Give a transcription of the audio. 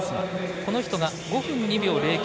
この人が５分２秒０９